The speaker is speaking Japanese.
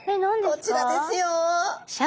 こちらですよ。